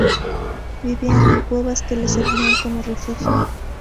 Vivían en cuevas, que les servían como refugio.